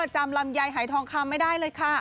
จำลำไยหายทองคำไม่ได้เลยค่ะ